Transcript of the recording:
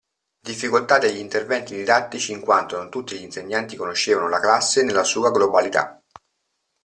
Difficoltà degli interventi didattici in quanto non tutti gli insegnanti conoscevano la classe nella sua globalità.